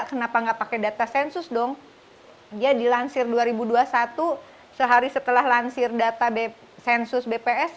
kenapa nggak pakai data sensus dong dia dilansir dua ribu dua puluh satu sehari setelah lansir data b sensus bps